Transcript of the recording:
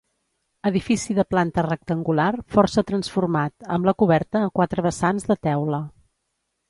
Edifici de planta rectangular, força transformat, amb la coberta a quatre vessants de teula.